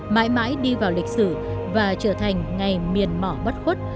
mãi mãi đi vào lịch sử và trở thành ngày miền mỏ bất khuất